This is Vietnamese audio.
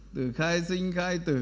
từ khai sinh khai tử